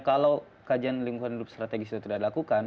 kalau kajian lingkungan hidup strategis itu tidak dilakukan